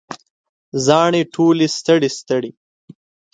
زاڼې ټولې ستړي، ستړي